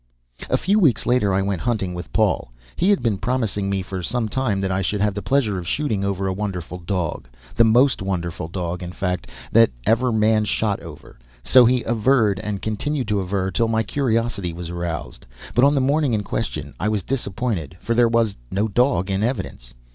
A few weeks later I went hunting with Paul. He had been promising me for some time that I should have the pleasure of shooting over a wonderful dog—the most wonderful dog, in fact, that ever man shot over, so he averred, and continued to aver till my curiosity was aroused. But on the morning in question I was disappointed, for there was no dog in evidence.